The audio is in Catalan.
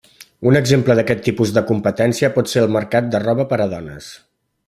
Un exemple d'aquest tipus de competència pot ser el mercat de roba per a dones.